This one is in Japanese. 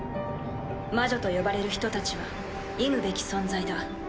魔女と呼ばれる人たちは忌むべき存在だ。